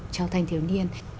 cho thành thiếu niên